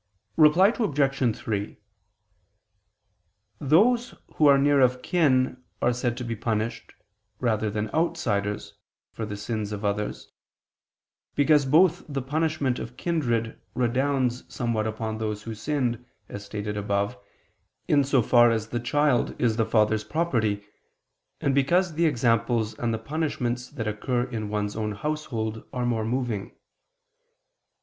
Reply Obj. 3: Those who are near of kin are said to be punished, rather than outsiders, for the sins of others, both because the punishment of kindred redounds somewhat upon those who sinned, as stated above, in so far as the child is the father's property, and because the examples and the punishments that occur in one's own household are more moving.